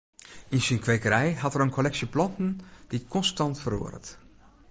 Yn syn kwekerij hat er in kolleksje planten dy't konstant feroaret.